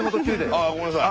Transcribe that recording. あっごめんなさい。